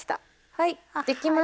はいできました。